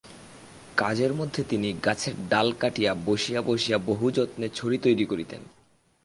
কাজের মধ্যে তিনি গাছের ডাল কাটিয়া বসিয়া বসিয়া বহুযত্নে ছড়ি তৈরি করিতেন।